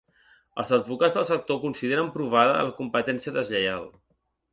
Els advocats del sector consideren provada la “competència deslleial”